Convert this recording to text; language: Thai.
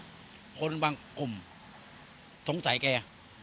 เขาเรียกว่าคนบางกลุ่มสงสัยแก